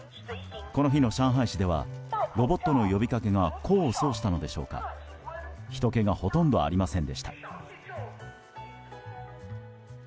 この日の上海市ではロボットの呼びかけが功を奏したのでしょうかひとけがほとんどありませんでした。